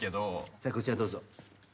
さあこちらどうぞ。